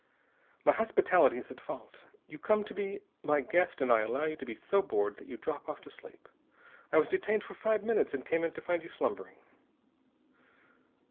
"My hospitality is at fault! You come to be my guest and I allow you to be so bored that you drop off to sleep! I was detained for five minutes and came in to find you slumbering!"